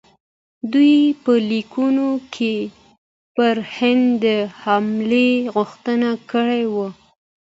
دوی په لیکونو کې پر هند د حملې غوښتنه کړې وه.